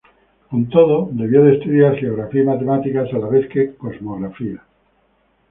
Con todo, debió de estudiar geografía y matemáticas, a la vez que cosmografía.